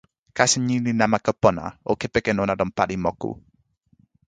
kasi ni li namako pona. o kepeken ona lon pali moku.